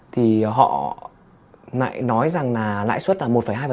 thì họ nói rằng là lãi suất là một hai